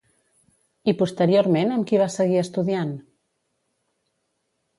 I posteriorment amb qui va seguir estudiant?